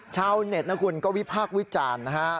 ชาวเน็ตนะคุณก็วิพากษ์วิจารณ์นะฮะ